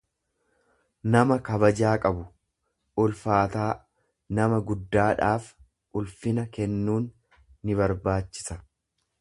nama kabajaa qabu, ulfaataa; Nama guddaadhaaf ulfina kennuun nibarbaachisa.